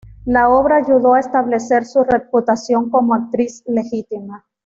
La obra ayudó a establecer su reputación como actriz legítima.